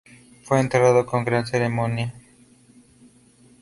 Fue enterrado con gran ceremonia.